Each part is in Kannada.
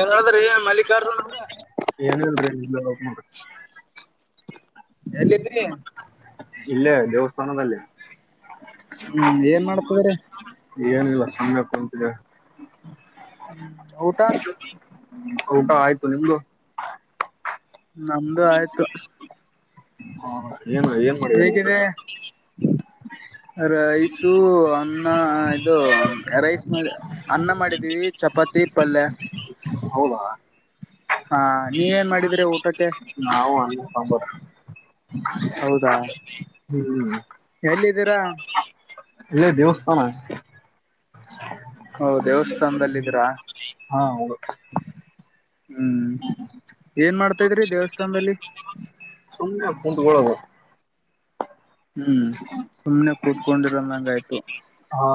ಏನ್ ನಡದದ್ರೀ ಮಲ್ಲಿಕಾರ್ಜುನ ಅವ್ರ. ಏನಿಲ್ರಿ ಇಲ್ಲೇ ಹೋಗ್ ನೋಡ್ರಿ ಎಲ್ಲಿದ್ರಿ? ಇಲ್ಲೇ ದೇವಸ್ಥಾನದಲ್ಲಿ. ಹ್ಮ್ ಏನ್ ಮಾಡ್ತಿದ್ರಿ. ಏನಿಲ್ಲ ಸುಮ್ಮ್ನೆ ಕುಂತಿದ್ದೆ. ಊಟಾ? ಊಟ ಆಯ್ತು ನಿಮ್ದು. ನಮ್ದು ಆಯ್ತು. ಏನು ಏನ್ ಮಾಡಿದಾರ ಹೇಗಿದೆ ಊಟಕ್ಕೆ ರೈಸು ಅನ್ನ ಇದು ರೈಸ್ ಮ ಅನ್ನ ಮಾಡಿದೀವಿ ಚಪಾತಿ ಪಲ್ಯ. ಹೌದಾ ಹಾ ನೀವೇನ್ ಮಾಡಿದ್ರಿ ಊಟಕ್ಕೆ ನಾವು ಅನ್ನ ಸಾಂಬಾರ ಹೌದಾ ಹ್ಮ್. ಎಲ್ಲಿದ್ದೀರಾ ಇಲ್ಲೆ ದೇವಸ್ಥಾನ. ಓ ದೇವಸ್ಥಾನದಲ್ಲಿದಿರಾ? ಹಾ ಹೌದು ಹ್ಮ್ ಏನ್ ಮಾಡ್ತಾ ಇದ್ರಿ ದೇವಸ್ಥಾನದಲ್ಲಿ? ಕುಂತ್ಕೊಳೋಧ. ಹ್ಮ್ ಸುಮ್ನೆ ಕೂತ್ಕೊಂಡಿರಂದಂಗ್ ಆಯ್ತು. ಹಾ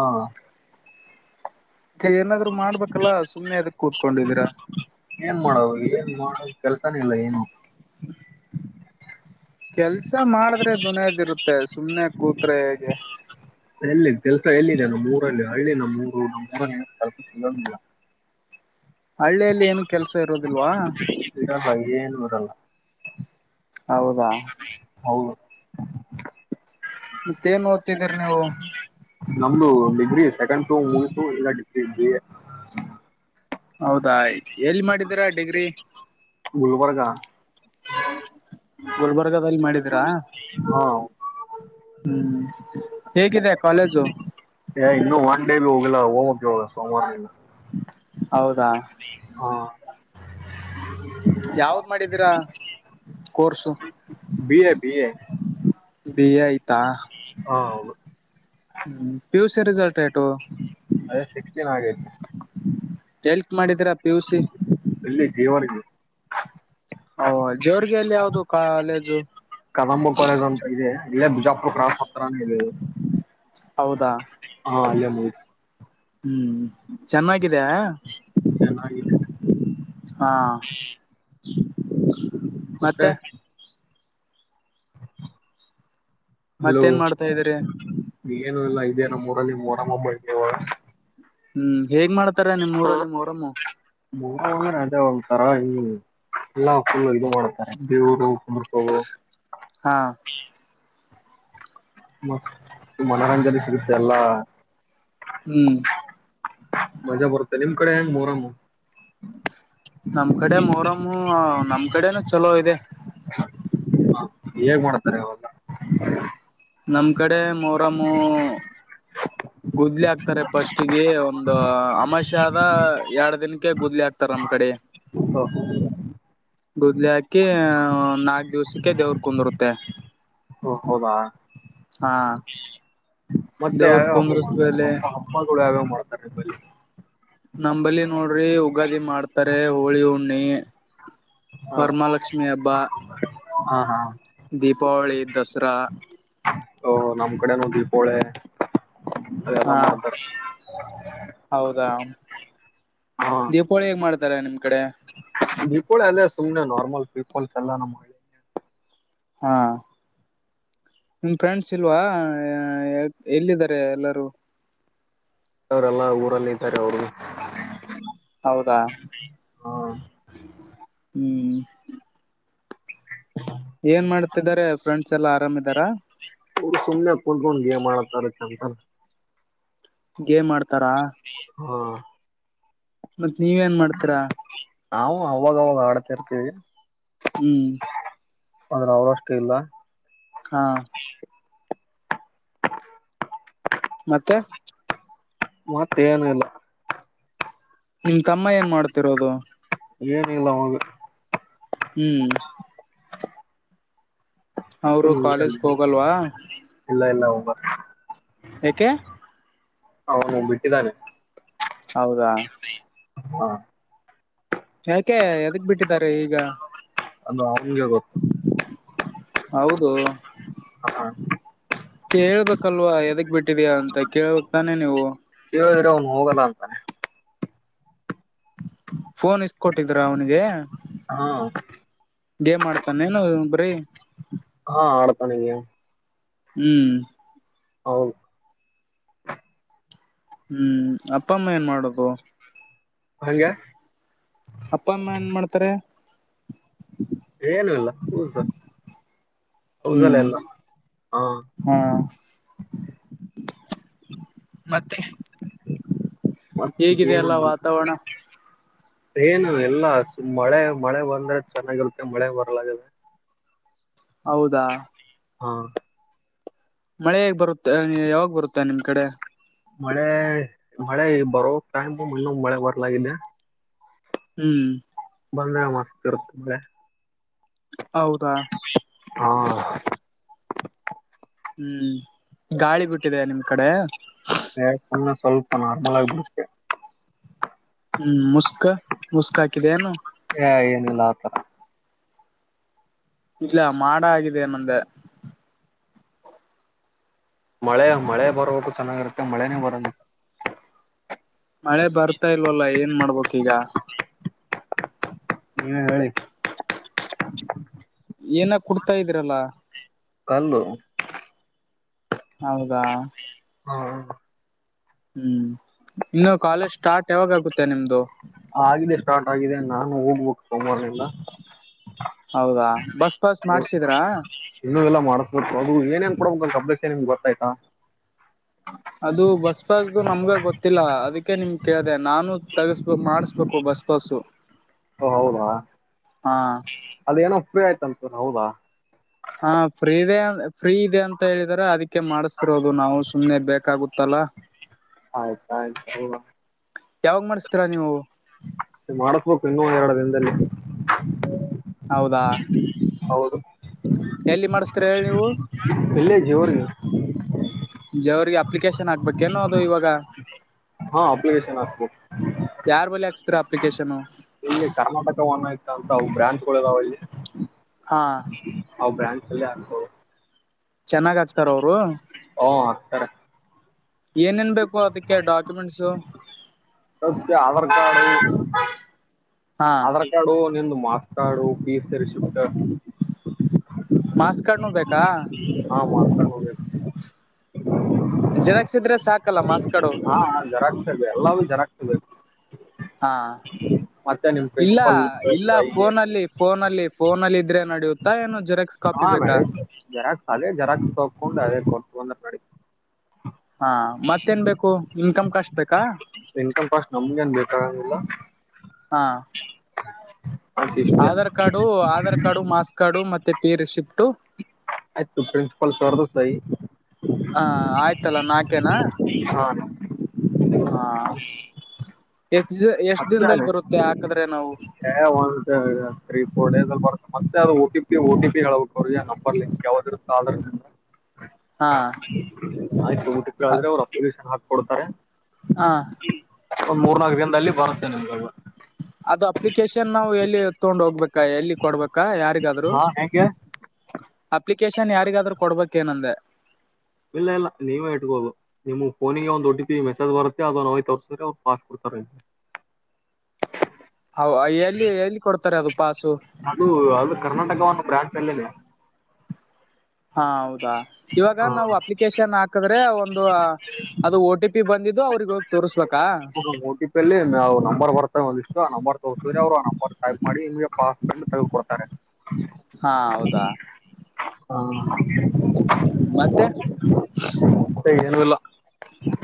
ಮತ್ತೆ ಏನಾದ್ರು ಮಾಡ್ಬೇಕಲ್ಲಾ ಸುಮ್ಮನೆ ಎದಕ್ ಕೂತ್ಕೊಂಡಿದೀರಾ? ಕೆಲ್ಸನೆ ಇಲ್ಲ ಏನು. ಕೆಲ್ಸ ಮಾಡಿದ್ರೆ ದುನ್ಯದಿರುತ್ತ ಮತ್ತೆ ಸುಮ್ನೆ ಕೂತ್ರೆ ಹೇಗೆ? ಎಲ್ಲಿ ಕೆಲ್ಸ ಎಲ್ಲಿದೆ ನಮ್ಮ್ ಊರಲ್ಲಿ ಹಳ್ಳಿ ನಮ್ಮ ಊರು ನಮ್ಮ ಊರಲ್ಲಿ ಏನು ಕೆಲ್ಸ ಸಿಗಂಗಿಲ್ಲ. ಹಳ್ಳಿಯಲ್ಲಿ ಏನು ಕೆಲ್ಸ ಇರೋದಿಲ್ವಾ? ಸಿಗಲ್ಲ. ಹೌದಾ. ಹೌದು. ಮತ್ತೇ ಏನ್ ಓದ್ತಿ ನಮ್ದು ಡಿಗ್ರಿ ಸೆಕೆಂಡ್ ಪಿಯು ಮೂಗಿತು ಬಿ ಎಡ್ ಹಚ್ಚಿನಿ ಬಿ ಎ. [unintelligible] ಹೌದಾ ಎಲ್ಲಿ ಮಾಡಿದೀರಾ ಡಿಗ್ರಿ ಗುಲ್ಬರ್ಗ ಗುಲ್ಬರ್ಗದಲ್ಲಿ ಮಾಡಿದಿರಾ? ಹಾ ಹ್ಮ್ ಹೇಗಿದೆ ಕಾಲೇಜು? ಹೋಗಿಲ್ಲಾ ಹೋಗಬಕ್ ಇವಾಗ ಸೋಮವಾರ ದಿನ ಹೌದಾ ಹಾ ಯಾವ್ದ್ ಮಾಡಿದೀರಾ course B A B A B ಆ ಐ ತಾ ಹಾ ಹೌದು ಪಿ ಯು ಸಿ ರಿಸಲ್ಟ್ ಎಟು? ಅದೇ ಸಿಕ್ಸ್ಟೀನ್ ಆಗೈತೆ ಕೇಳ್ ಮಾಡಿದೀರಾ ಪಿ ಯು ಸಿ. ಡಿವಾಡಿ ಲಿ. ಓ ಜೋರ್ಗೆಲ್ಲಿ ಯಾವ್ದ ಕಾಲೇಜು? ಕದಂಬ ಕಾಲೇಜ್ ಅಂತ ಇದೆ ಇಲ್ಲೇ ಬಿಜಾಪುರ [unintelligible] ಹೌದಾ [unintelligible] ಹಾ ಅಲ್ಲೆ ಮೇ ಹ್ಮ್ ಚೆನ್ನಾಗಿದೆಯಾ ಚೆನ್ನಾಗಿದೆ ಹಾ. ಮತ್ತೆ ಹಲೋ ಮತ್ತೇನ್ ಮಾಡ್ತಾ ಇದೀರಿ ಏನು ಇಲ್ಲ ದೆ ನಮ್ಮೂರಲ್ಲಿ ಮೊರಂ ಹಬ್ಬ ಐತ್ ಇವಾಗ. ಹ್ಮ್ ಹೇಗ್ ಮಾಡ್ತಾರ ನಿಮ್ಮ್ ಊರ್ ಮೋರಮ್ಮು [unintelligible] ಅದೇ ಒಂಥರ ಈ ಎಲ್ಲಾ ಫುಲ್ ಇದು ಮಾಡ್ತಾರೆ ದೇವರು [unintelligible] ಹಾ ಮತ್ತ್ ಮನರಂಜನೆ ಸಿಗುತ್ತ್ ಎಲ್ಲಾ ಹ್ಮ್ ಮಜಾ ಬರುತ್ತ ನಿಮ್ ಕಡೆ ಹೆಂಗ್ ಮೋಹರಮ್ಮು ನಮ್ ಕಡೆ ಮೊರಮ್ಮು ನಮ್ ಕಡೆನು ಚಲೋ ಇದೆ. ಹೇಗ್ ಮಾಡ್ತಾರೆ ಅವಾಗ ನಮ್ ಕಡೆ ಮೋರಮ್ಮು ಗುದ್ಲಿ ಹಾಕ್ತರೆ ಫಸ್ಟ್ ಗೆ ಒಂದು ಅಮಾವಾಸ್ಯೆ ಅದ ಎರಡು ದಿನಕ್ಕೆ ಗುದ್ಲಿ ಹಾಕ್ತಾರ್ ನಮ್ ಕಡೆ. ಹಾ ಗುದ್ಲಿ ಹಾಕಿ ನಾಲ್ಕ್ ದಿವ್ಸಕ್ಕೆ ದೇವ್ರ ಕುಂದ್ರುತ್ತೆ ಓ ಹೌದಾ ಹಾ ಮತ್ತೆ ದೇವ್ರ ಯಾವ್ಯಾವ ಹಬ್ಬ ಕುಂದ್ರಸ್ಮೇಲೆ ಮಾಡ ಅ ಹಬ್ಬಗಳು ಯಾವ್ಯಾವ ಮಾಡ್ತಾರೆ ನಿಮ್ಮಲ್ಲಿ? ನಂಬಲ್ಲಿ ನೋಡ್ರಿ ಯುಗಾದಿ ಮಾಡ್ತಾರೆ ಹೋಳಿ ಹುಣ್ಣಿ ಹಾ ವರಮಹಾಲಕ್ಷ್ಮಿ ಹಬ್ಬ ಹಾ ಹಾ ದೀಪಾವಳಿ ದಸರಾ ಹ್ಮ್ ನಮ್ಮ್ ಕಡೆನು ದೀಪಾವಳಿ ಅದೆಲ್ಲ ಹಾ ಮಾಡ್ತಾರೆ ಹೌದಾ ಹಾ ದೀಪಾವಳಿ ಹೇಗ ಮಾಡತ. ತಾರೇ ನಿಮ್ ಕಡೆ. ದೀಪಾವಳಿ ಅಲ್ಲೇ ಸುಮ್ನೆ ನಾರ್ಮಲ್. ಪೀಪಲ್ಸ್ ಎಲ್ಲಾ ನಮ್ಮ ಹಳ್ಳಿ ಕಡೆ. ಹಾ ನಿಮ್ ಫ್ರೆಂಡ್ಸ್ ಇಲ್ವಾ ಎಲ್ಲಿದರೆ ಎಲ್ಲರೂ. ಅವರೆಲ್ಲ ಊರಲ್ಲೇ ಇದ್ದಾರೆ ಅವರು. ಹೌದಾ. ಹ. ಹ್ಮ್. ಏನ್ ಮಾಡ್ತಿದ್ದಾರೆ ಫ್ರೆಂಡ್ಸ್ ಎಲ್ಲಾ ಆರಾಮಿದಾರ. ಚಂತನಕ. ಗೇಮ್ ಆಡತ್. ಹ. ಮತ್ ನೀವ ಏನ್ ಮಾಡ್ತೀರಾ. ನಾವು ಅವಾಗ ಅವಾಗ ಆಡ್ತಾ ಇರ್ತೀವಿ. ಹ್ಮ್. ಆದ್ರೆ ಅವರ ಅಷ್ಟು ಇಲ್ಲ. ಹಾ. ಮತ್ತೆ. ಮತ್ತೇನು ಇಲ್ಲ. ನಿಮ್ ತಮ್ಮ ಏನ್ ಮಾಡ್ತಿರೋದು. ಏನಿಲ್ಲ ಅವಾಗ. ಹ್ಮ್. ಅವರು ಕಾಲೇಜ್ಕ ಹೋಗಲ್ವಾ. ಇಲ್ಲ ಇಲ್ಲ ಹೊ ಬಾ. ಏಕೆ. ಅವನು ಬಿಟ್ಟಿದ್ದಾನೆ. ಹೌದಾ. ಹಾ. ಯಾಕೆ ಏದಿಕ ಬಿಟ್ಟಿದ್ದಾರೆ ಈಗ. ಅದು ಹಂಗೆ ಗೊ ಹೌದು ಹ. ಕೇಳ್ಬೇಕಲ್ವಾ ಎದಗ್ ಬಿಟ್ಟ. ಟ್ಟಿದ್ಯಾ ಅಂತ ಕೇಳಬಕ್ತಾನೆ ನೀವು. ಅವನ್ ಹೋಗಲ್ಲಾ ಅಂತಾನೆ. ಫೋನ್ ಇಸ್ದ ಕೊಟ್ಟಿದ್ರ ಅವನಿಗೆ. ಹ. ಗೇಮ್ ಆಡ್ತಾನೇನು ಏನು ಬರೀ. ಹಾ ಆಡ್ತಾನೆ ಗೇಮ್. ಹ್ಮ್ [unintelligible] ಹ್ಮ್ ಅಪ್ಪ ಅಮ್ಮ ಏನ್ ಮಾಡದು ಹಂಗೆ ಅಪ್ಪ ಅಮ್ಮ ಏನ್ ಮಾಡ್ತಾರೆ ಏನು ಇಲ್ಲ ಹೌದದೆಲ್ಲ ಹ್ಮ್ ಎಲ್ಲ ಹಾ ಹಾ [inaudible] ಮತ್ತೆ ಮತ್ತ ಹೇಗಿದೆ ಹರ ಎಲ್ಲ ವಾತಾವರಣ [inaudible] ಏನು ಎಲ್ಲ ಮಳೆ ಮಳೆ ಬಂದ್ರೆ ಚೆನ್ನಾಗಿರುತ್ತೆ ಮಳೆ ಬರ್ಲದೆ ಹೌದಾ ಹಾ ಮಳೆ ಹೆಗ್ ಬರುತ್ತೆ ಯಾವಾಗ ಬರುತ್ತೆ ನಿಮ್ ಕಡೆ ಮಳೆ ಮಳೆ ಬರೋ ಟೈಮು ಮಣ್ಣು ಮಳೆ ಬರ್ಲಾಗಿದೆ ಹ್ಮ್ ಬಂದ್ರ ಮಾಸಕ್ಕೆ ಇರುತ್ತ್ರೆ [unintelligible] ಹೌದಾ ಹಾ [inaudible] ಹ್ಮ್ ಗಾಳಿ ಬಿಟ್ಟಿದೆ ನಿಮ್ ಕಡೆ ಯ ಸಲ್ಪ ನಾರ್ಮಲಾ ಬಿ ಹ್ಮ್ ಮುಸ್ಕ ಮುಸ್ಕ್ ಹಾಕಿದ ಏನು ಮಲತ [unintelligible] ಇಲ್ಲ ಮಾಡ್ ಆಗಿದೆ ನಂದ ಮಳೆ ಮಳೆ ಬರಬೇಕು ಚೆನ್ನಾಗಿರುತ್ತೆ ಮಳೆನೇ ಬರ [inaudible] ಮಳೆ ಬರ್ತಾ ಇಲ್ವಲ್ಲ ಏನ್ ಮಾಡ್ಬೇಕು ಈಗ ಹ್ಮ ಹೇಳಿ [inaudible] ಏನ ಕುಡ್ತಾ ಇದೀರಲ್ಲ ಕಲ್ಲು ಹೌದಾ ಹ್ಮ [unintelligible] ಹ್ಮ್ ಇನ್ನು ಕಾಲೇಜ್ ಸ್ಟಾರ್ಟ್ ಯಾವಾಗಗುತ್ತೆ ನಿಮ್ದು ಆಗಿದೆ ಸ್ಟಾರ್ಟ್ ಆಗಿದೆ ನಾನು ಹೋಗ್ಬೇಕು ಸೋಮರ್ದಿಂದ ಹೌದಾ ಬಸ್ ಪಾಸ್ ಮಾಡ್ಸಿದ್ರಾ ಇನ್ನುೂ ಇಲ್ಲ ಮಾಡಿಸ್ಬೇಕು ಅದು ಏನ್ ಏನ್ ಕೊಡಬೇಕಂತ ಅಪ್ಲಿ ನಿಮ್ಗೆ ಗೊತ್ತ ಆಯ್ತಾ ಅದು ಬಸ್ ಪಾಸ್ದು ನಮ್ಗ ಗೊತ್ತಿಲ್ಲ ಅದಕ್ಕೆ ನಿಮ್ ಕೇಳಿದೆ ನಾನು ತಗ್ಸ್ ಓ ಹೌದಾ ಹಾ ಅದೇನೋ ಫ್ರೀ ಆಯ್ತ ಅಂತ ಅಲ್ಲ ಹೌದಾ ಹಾ ಫ್ರೀ ಇದೆ ಫ್ರೀ ಇದೆ ಅಂತ ಹೇಳಿ ರ ಅದಕ್ಕೆ ಮಾಡಿಸತಿರೋದು ನಾವು ಸುಮ್ನೆ ಬೇಕಾಗುತ್ತಲ್ಲ ಆಯ್ತು ಆಯ್ತು [inaudible] ಯಾವಾಗ ಮಾಡಿಸ್ತೀರಾ ನೀವು ಮಾಡಸ್ಬೇಕು ಇನ್ನೂ ಎರಡು ದಿನದಲ್ಲಿ. ಹೌದಾ ಹೌದು ಎಲ್ಲಿ ಮಾಡಿಸ್ತೀರಾ ಹೇಳಿ ನೀವು ಜವರ್ರಿಗೆ [unintelligible] ಅಪ್ಲಿಕೇಶನ್ ಹಾಕ್ಬೇಕೇನೋ ಅದ್ ಇವಾಗ ಹಾ ಅಪ್ಲಿಕೇಶನ್ ಹಾಕ್ಬೇಕು ಯಾರ್ ಬಳಿ ಹಾಕ್ಸ್ತರ ಅಪ್ಲಿಕೇಶನು [unintelligible] ಬ್ರಾಂಚಲು ಇದವಿಲ್ಲಿ. ಹಾ [unintelligible] ಚೆನ್ನಾಗ್ ಅಕ್ತಾರ್ ಅವರ್ [unintelligible] [unintelligible] ಏನೇನ್ ಬೇಕು ಅದಕ್ಕೆ ಡಾಕ್ಯುಮೆಂಟ್ಸು. [unintelligible] ಆಧಾರ್ ಕಾರ್ಡ್ ಹಾ ಆಧಾರ್ ಕಾರ್ಡು ನಿಮ್ದ ಮಾತ್ ತಾಡೊ ಮಾರ್ಕ್ಸ್ ಕಾರ್ಡ್ನು ಬೇಕಾ [unintelligible] [unintelligible] ಜೆರಾಕ್ಸ್ ಇದ್ರೆ ಸಾಕಲ್ಲ ಮಾರ್ಕ್ಸ್ ಕಾರ್ಡ್ ಹಾ [unintelligible] [unintelligible] ಹಾ ಮತ್ತೆ ನಿಮ್ ಇಲ್ಲ ಪ್ರಿನ್ಸಿಪಲ್ ಇಲ್ಲ ಸಹಿ ಫೋನಲ್ಲಿ ಫೋನಲ್ಲಿ ಫೋನಲ್ಲಿ ಇದ್ರೆ ನಡೆಯುತ್ತಾ ಏನು [unintelligible] ಜೆರಾಕ್ಸ್ ಕಾಪಿ ಬೇಕಾ [unintelligible] ಅದೇ ಕೊಟ್ಟ ಬಂದ [unintelligible] ಹಾ ಮತ್ತೇನ್ ಬೇಕು ಇನ್ಕಮ್ ಕಷ್ಟ್ [unintelligible] ಬೇಕಾ ಇನ್ಕಮ್ ಕಾಸ್ಟ್ ನಮ್ಗೇನ್ ಬೇಕಾಗಂಗಿಲ್ಲ ಹಾ [inaudible] [unintelligible] ಕಡು ಮತ್ತೆ ಫೀ ರೆಸಿಪಿಟ್ [unintelligible] ಆಯ್ತು ಪ್ರಿನ್ಸಿಪಾಲ್ ಸರ್ ದು ಸೈನ್ [unintelligible] ಹ ಆಯ್ತಲ್ಲ ನಾಲ್ಕೇನಾ ಹಾ ಎಷ್ಟ ಎಷ್ಟ್ ದಿನದಲ್ಲಿ ಬರುತ್ತೆ ಹಾಕದ್ರೆ ನಾವು [unintelligible] ಅದು [unintelligible] ಒಟಿಪಿ ಒಟಿಪಿ ಹೇಳಬೇಕ್ [unintelligible] ನಂಬರ್ ಲಿಂಕ್ ಯಾವ್ದ ಇರುತ್ತ ಆದ್ರ ನಿ ಹಾ [unintelligible] ಆದ್ರೆ ಅವರ ಅಪ್ಲಿಕೇಶನ್ ಹಾಕ್ ಕೊಡ್ತಾರೆ ಹ ಒಂದ್ ಮೂರ್ನಾಕ್ ದಿನದಲ್ಲಿ ಬರುತ್ [unintelligible] ಅದು ಅಪ್ಲಿಕೇಶನ್ ನಾವು ಎಲ್ಲಿ ತೊಂಡ್ [unintelligible] ಹೋಗ್ಬೇಕ ಎಲ್ಲಿ ಕೊಡ್ಬೇಕಾ ಯಾರಿಗಾದ್ರು. ಹಾ ಹೆಂಗೆ ಅ ಲಿಕೇಶನ್ ಯಾರಿಗಾದ್ರೂ ಕೊಡ್ಬೇಕೇಏನಂದೆ ಇಲ್ಲ ಇಲ್ಲ ನೀವೇ ಇಟ್ಬೋದು ನಿಮ ಫೋನಿಗೆ ಒಂದ್ ಒಟಿ ಪಿ ಮೆಸೇಜ್ ಬರುತ್ತೆ ಅದ ನಾವ ತೋರ್ಸಿದ್ರೆ ಅವ್ ಪಾಸ್ ಕೊಡ್ತಾರೆ ಹ ಎಲ್ಲಿ ಎಲ್ಲಿ ಕೊಡ್ತಾರೆ ಅದು ಪಾಸು ಅದು ಅದು ಕರ್ನಾಟಕ ಒಂದು ಬ್ರಾಂಚ್ ಅಲ್ಲೇನೆ ಹಾ ಹೌದಾ ಇವಾಗ ನಾವು ಅಪ್ಲಿಕೇಶನ್ ಹಾಕಿದ್ರೆ ಒಂದು ಅದು ಓ ಟಿ ಪಿ ಬಂದಿದ್ದು ಅವ್ರಿಗೆ ಹೋಗಿ ತೋರ್ಸ್ಬೇಕಾ ಓಟಿಪಿಲ್ಲಿ ನಾವು ನಂಬರ್ ಬರ್ತವೆ ಒಂದಿಷ್ಟು ಆ ನಂಬರ್ ತೋರ್ತೀ್ರ ಅವ್ರು ಆ ನಂಬರ್ ಟೈಪ್ ಮಾಡಿ ನಿಮಗೆ ಪಾಸ್ಪಡ್ ತೆಗೆ ಕೊೊಡ್ತಾರೆ ಹಾ ಹೌದಾ ಹಾ ಮತ್ತೆ ಸ ಅಲ್ಲ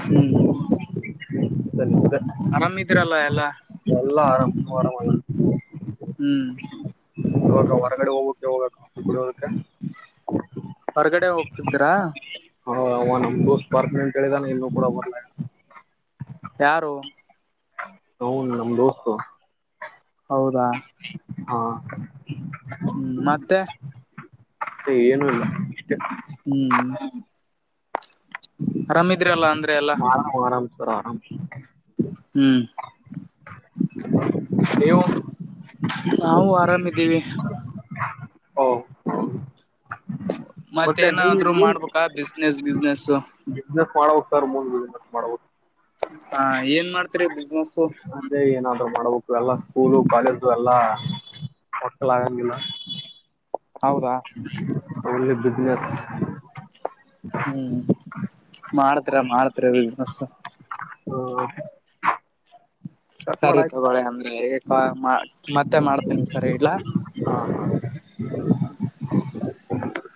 ಹ್ಮ್ ಆರಾಮಿದಿರಲ್ಲ ಎಲ್ಲಾ ಎಲ್ಲ ಆರಾಮ ಆರಾಮ ಹ್ಮ ಹ್ಮ್ ಇವಾಗ ಹೊರಗಡೆ ಹೋಗುವುದು ಯೋಗ ಹೊರ್ಗಡೆ ಹೋಗ್ತಿದ್ದಿರಾ ಹೌ ಅವ ನಂಬ ಬರ್ತ ಅಂತ ಕಿದಾನ ಇನ್ನುೂ ಕೂಡ ಬರ್ಲ ಯಾರು ಹ ನಮ್ಮ್ದೋಸ್ತ ಹೌದಾ ಹಾ ಹ್ಮ್ ಮತ್ತೆ ಮ ಏನು ಇಲ್ಲ ಇಷ್ಟ ಆರಾಮಿದ್ರ ಅಲ್ಲ ಅಂದ್ರೆ ಎಲ್ಲಾ ಸರ ಆರಾಮ ಹ್ಮ್ ನೀವು ನಾವು ಆರಾಮಿದ್ದೀವಿ ಓ ಮತ್ತೆ ನೀ ಮತ್ತೇನಾದ್ರು ಮಾಡ್ಬೇಕಾ ಬಿಸ್ನೆಸ್ ಗಿಸ್ನೆಸ್ ಬಿಸ್ನೆಸ್ ಮಾಡ ಸರ್ ಮುಂದ ಬಿಸ್ನೆಸ್ ಮಾಡ ಹಾ ಏನ್ ಮಾಡ್ತರಿ ಬಿಸ್ನೆಸ್ ಅೇ ಏನಾದ್ರು ಮಾಡಬೇಕು ಎಲ್ಲಾ ಸ್ಕೂಲು ಕಾಲೇಜು ಎಲ್ಲಾ ಮಕ್ಕಳ ಆಗಂಗಲಿಲ್ಲ ಹೌದಾ ಅವ ಬಿಜ್ನೆಸ್ ಹ್ಮ್ ಮಾಡತ ಮಾಡ್ತ್ಸ ಹ ಸರಿ ತಗೊಳ್ಳಳಿ ಅಂದ್ರೆ ಮತ್ತೆ ಮಾಡ್ತೀನಿ ಸರಿ ಇಡ್ಲಾ. [inaudible]